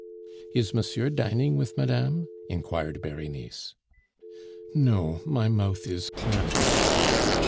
"Is monsieur dining with madame?" inquired Berenice. "No, my mouth is clammy."